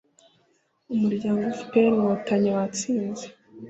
umuryango fpr inkotanyi watsinze